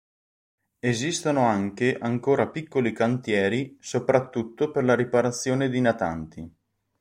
Esistono anche ancora piccoli cantieri soprattutto per la riparazione di natanti.